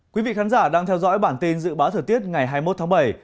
quý vị khán giả đang theo dõi bản tin dự báo thời tiết ngày hai mươi một tháng bảy